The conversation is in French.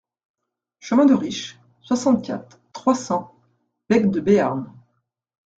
Chemin de Riche, soixante-quatre, trois cents Baigts-de-Béarn